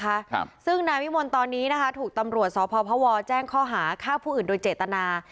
ครับซึ่งนายวิมลตอนนี้นะคะถูกตำรวจสพพวแจ้งข้อหาฆ่าผู้อื่นโดยเจตนา